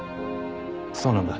そうなんだ。